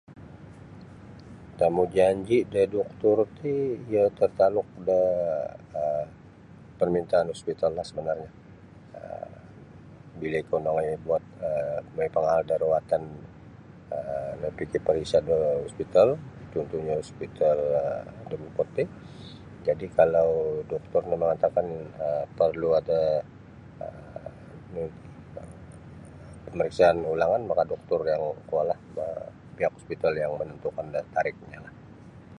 Tamujanji da doktor ti iyo tertakluk da um parmintaan hospitalah sebenarnya um bila ikau nongoi uot um mongoi pangaal da rawatan um mikipariksa da hospital um contohnya hospital um da buput ti jadi kalau doktor no mangatakan um parlu ada um nu ti pamariksaan ulangan maka doktor yang kuo lah da pihak hospital yang menantukan da tarikhnyo lah.